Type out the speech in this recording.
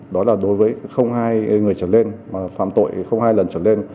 đó là đối với hai người trở lên phạm tội hai lần trở lên